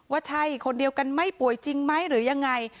ว่าใช่คนเดียวกันไหมป่วยจริงไหมหรือยังไง